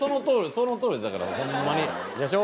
その通りだからホンマに。